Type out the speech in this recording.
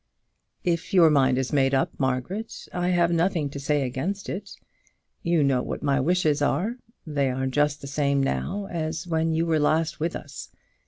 "If your mind is made up, Margaret, I have nothing to say against it. You know what my wishes are. They are just the same now as when you were last with us.